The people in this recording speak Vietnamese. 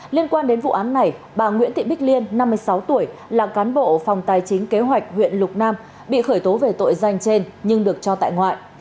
liên quan đến vụ án này bà nguyễn thị bích liên năm mươi sáu tuổi là cán bộ phòng tài chính kế hoạch huyện lục nam bị khởi tố về tội danh trên nhưng được cho tại ngoại